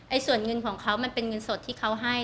ส่วนเงินของเขามันเป็นเงินสดที่เขาให้